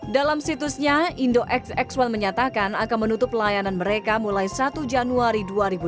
dalam situsnya indo xx satu menyatakan akan menutup layanan mereka mulai satu januari dua ribu dua puluh